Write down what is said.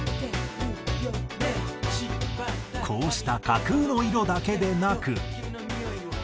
こうした架空の色だけでなく。